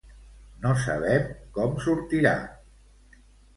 No sabem com sortirà.